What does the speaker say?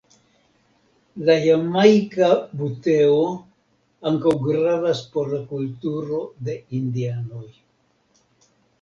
La Jamajka buteo ankaŭ gravas por la kulturo de indianoj.